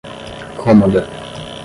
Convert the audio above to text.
cômoda